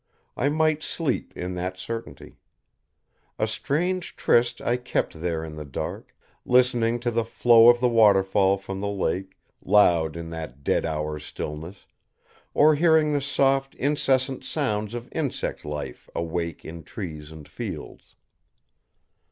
I might sleep in that certainty. A strange tryst I kept there in the dark; listening to the flow of the waterfall from the lake, loud in that dead hour's stillness, or hearing the soft, incessant sounds of insect life awake in trees and fields.